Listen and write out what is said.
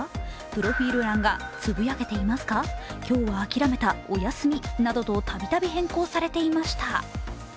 プロフィール欄がつぶやけていますか、今日は諦めたおやすみなどとたびたび変更されていました。